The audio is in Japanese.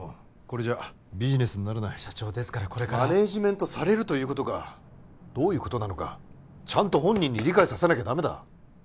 これじゃビジネスにならない社長ですからこれからマネージメントされるということがどういうことなのかちゃんと本人に理解させなきゃダメだ！